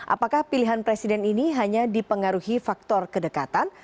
apakah pilihan presiden ini hanya dipengaruhi faktor kedekatan